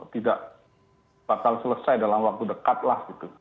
tidak bakal selesai dalam waktu dekat lah gitu